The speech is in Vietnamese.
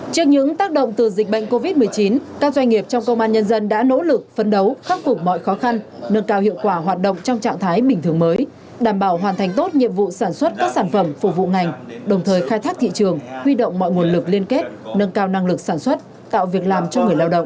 trước những tác động từ dịch bệnh covid một mươi chín các doanh nghiệp trong công an nhân dân đã nỗ lực phân đấu khắc phục mọi khó khăn nâng cao hiệu quả hoạt động trong trạng thái bình thường mới đảm bảo hoàn thành tốt nhiệm vụ sản xuất các sản phẩm phục vụ ngành đồng thời khai thác thị trường huy động mọi nguồn lực liên kết nâng cao năng lực sản xuất tạo việc làm cho người lao động